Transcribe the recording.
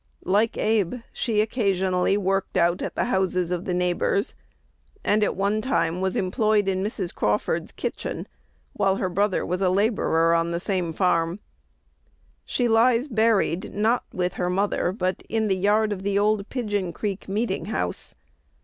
Like Abe, she occasionally worked out at the houses of the neighbors, and at one time was employed in Mrs. Crawford's kitchen, while her brother was a laborer on the same farm. She lies buried, not with her mother, but in the yard of the old Pigeon Creek meeting house.